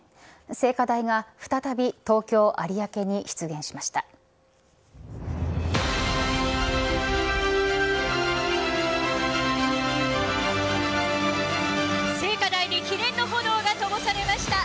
聖火台が再び東京、有明に出現しました。